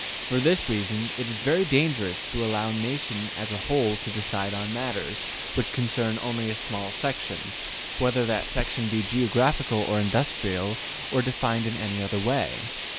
For this reason, it is very dangerous to allow the nation as a whole to decide on matters which concern only a small section, whether that section be geographical or industrial or defined in any other way.